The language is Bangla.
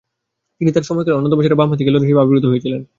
তিনি তার সময়কালে অন্যতম সেরা বামহাতি খেলোয়াড় হিসেবে আবির্ভূত হয়েছিলেন।